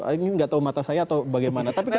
ini tidak tahu mata saya atau bagaimana